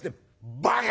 「バカ！